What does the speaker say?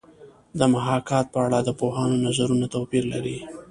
د محاکات په اړه د پوهانو نظرونه توپیر لري